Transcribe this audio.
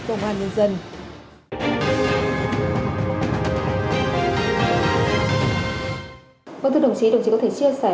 vâng thưa đồng chí đồng chí có thể chia sẻ